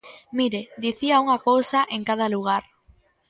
Mire, dicía unha cousa en cada lugar.